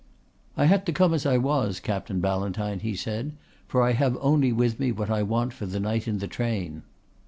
"I had to come as I was, Captain Ballantyne," he said, "for I have only with me what I want for the night in the train."